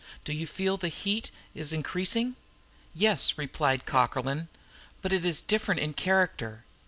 Do you feel that the heat is increasing?" "Yes," replied Cockerlyne; "but it is different in character."